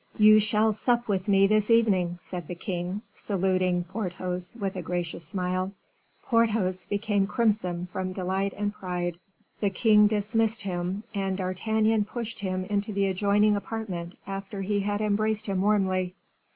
"You shall sup with me this evening," said the king, saluting Porthos with a gracious smile. Porthos became crimson from delight and pride. The king dismissed him, and D'Artagnan pushed him into the adjoining apartment, after he had embraced him warmly.